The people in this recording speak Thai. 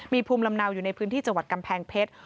มีภูมิลำเนาอยู่ในพื้นที่จังหวัดกำแพงเพชร